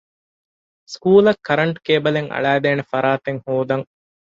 ސްކޫލަށް ކަރަންޓް ކޭބަލެއް އަޅައިދޭނެ ފަރާތެއް ހޯދަން